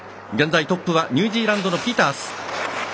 現在トップはニュージーランドのピータース。